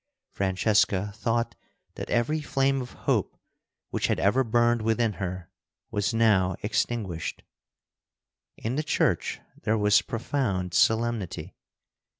Francesca thought that every flame of hope which had ever burned within her was now extinguished. In the church there was profound solemnity.